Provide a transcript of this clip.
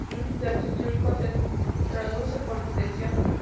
En muchos textos históricos se traduce por "distensión".